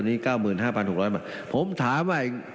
ในงบกลาง